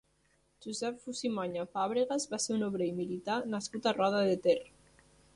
Josep Fusimaña Fábregas va ser un obrer i militar nascut a Roda de Ter.